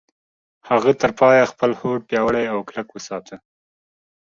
هغه تر پايه خپل هوډ پياوړی او کلک وساته.